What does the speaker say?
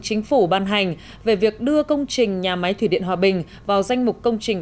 chính phủ ban hành về việc đưa công trình nhà máy thủy điện hòa bình vào danh mục công trình